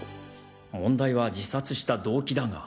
問題は自殺した動機だが。